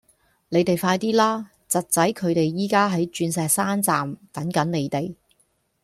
你哋快啲啦!侄仔佢哋而家喺鑽石山站等緊你哋